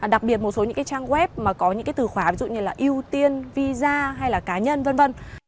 đặc biệt một số những cái trang web mà có những cái từ khóa ví dụ như là ưu tiên visa hay là cá nhân v v